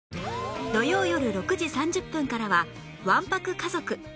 土曜よる６時３０分からは『１泊家族』